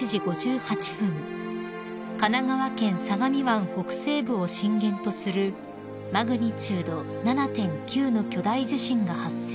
神奈川県相模湾北西部を震源とするマグニチュード７．９の巨大地震が発生］